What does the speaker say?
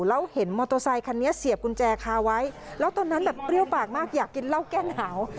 แล้วเห็นมอโตไซด์คันเนี้ยเสียบกุญแจคาไว้แล้วตอนนั้นเรี่ยวปากมากอย่ากินเหล้าแก้หนาว